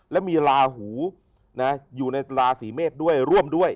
และมีลาหูอยู่ในราศีเมษด้วยร่วมด้วย